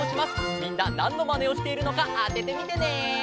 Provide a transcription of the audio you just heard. みんななんのまねをしているのかあててみてね！